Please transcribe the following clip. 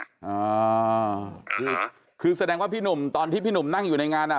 อ่าคือคือแสดงว่าพี่หนุ่มตอนที่พี่หนุ่มนั่งอยู่ในงานอ่ะ